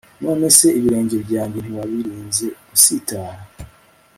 none se ibirenge byanjye ntiwabirinze gutsikira